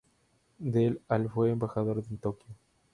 Del al fue embajador en Tokio.